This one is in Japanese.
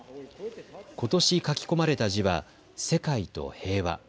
ことし書き込まれた字は世界と平和。